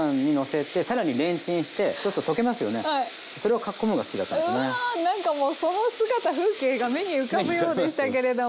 それを無理やりうわなんかもうその姿風景が目に浮かぶようでしたけれども。